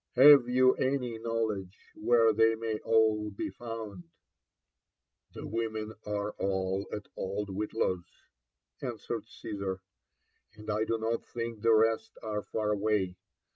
Have you any knowledge whers they may all be found ?"The women are all at old Whitlaw's,'' answered Caesar; —'* and I do not thiqk the rest are far away.